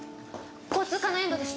交通課の遠藤です。